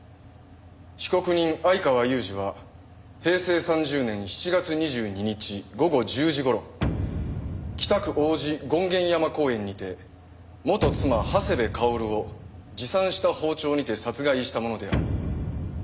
被告人相川裕治は平成３０年７月２２日午後１０時頃北区王子権現山公園にて元妻長谷部薫を持参した包丁にて殺害したものである。